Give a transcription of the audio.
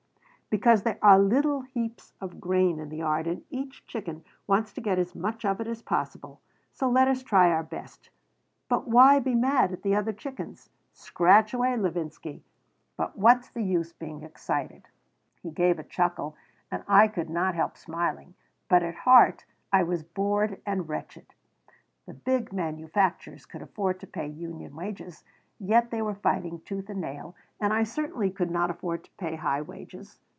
Because there are little heaps of grain in the yard and each chicken wants to get as much of it as possible. So let us try our best. But why be mad at the other chickens? Scratch away, Levinsky, but what's the use being excited?" He gave a chuckle, and I could not help smiling, but at heart I was bored and wretched. The big manufacturers could afford to pay union wages, yet they were fighting tooth and nail, and I certainly could not afford to pay high wages.